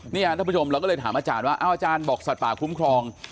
ท่านผู้ชมเราก็เลยถามอาจารย์ว่าอ้าวอาจารย์บอกสัตว์ป่าคุ้มครอง